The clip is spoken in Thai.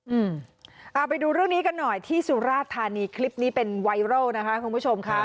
อืมเอาไปดูเรื่องนี้กันหน่อยที่สุราธานีคลิปนี้เป็นไวรัลนะคะคุณผู้ชมค่ะ